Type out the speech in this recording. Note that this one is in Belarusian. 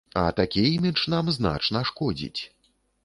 А такі імідж нам значна шкодзіць.